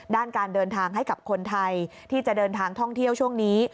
ด้านการเดินทางให้กับคนไทยที่จะเดินทางท่องเที่ยวช่วงนี้